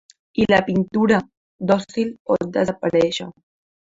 I la pintura, dòcil, pot desaparèixer.